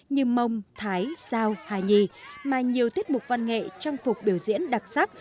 như mông thái sao hài nhì mà nhiều tiết mục văn nghệ trang phục biểu diễn đặc sắc